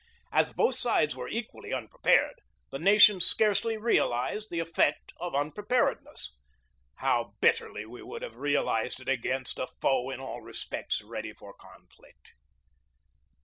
As both sides were equally unprepared, the nation scarcely realized the effect of unpreparedness. How bitterly we would have realized it against a foe ready in all respects for conflict!